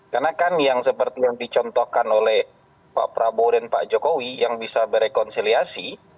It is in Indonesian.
karena kan yang seperti yang dicontohkan oleh pak prabowo dan pak jokowi yang bisa berrekonsiliasi